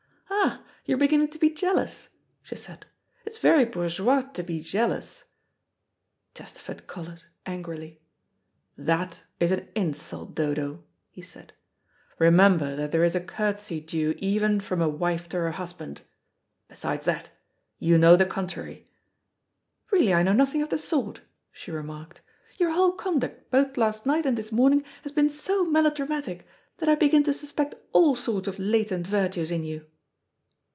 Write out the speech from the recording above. "Ah, you're beginning to be jealous," she said. "It is very bourgeois to be jealous." Chesterford coloured, angrily. "That is an insult, Dodo," he said. "Remember that there is a courtesy due even from a wife to her husband. Besides that, you know the contrary." "Really, I know nothing of the sort," she remarked. "Your whole conduct, both last night and this morning, has been so melodramatic, that I begin to suspect all sorts of latent virtues in you."